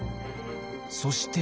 そして。